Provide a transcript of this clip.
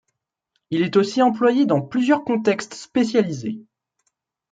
Il est aussi employé dans plusieurs contextes spécialisés.